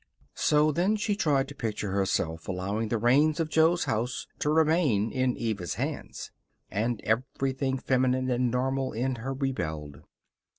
So then she tried to picture herself allowing the reins of Jo's house to remain in Eva's hands. And everything feminine and normal in her rebelled.